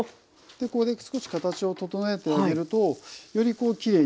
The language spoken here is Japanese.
ここで少し形を整えてあげるとよりこうきれいに。